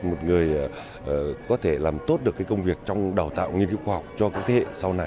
một người có thể làm tốt được công việc trong đào tạo nghiên cứu khoa học cho các thế hệ